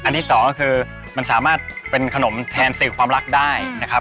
ที่สองก็คือมันสามารถเป็นขนมแทนสื่อความรักได้นะครับ